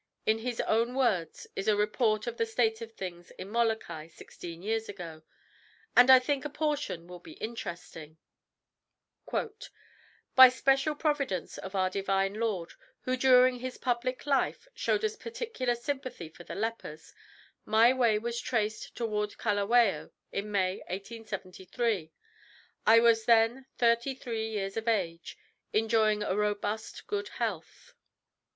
In his own words is a report of the state of things at Molokai sixteen years ago, and I think a portion will be interesting: "By special providence of our Divine Lord, who during His public life showed a particular sympathy for the lepers, my way was traced toward Kalawao in May, 1873. I was then thirty three years of age, enjoying a robust good health.